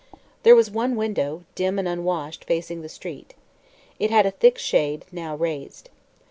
There was one window, dim and unwashed, facing the street. It had a thick shade, now raised.